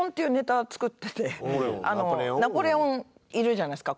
ナポレオンいるじゃないですか。